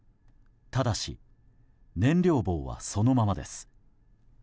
ただし、燃料棒はそのままです。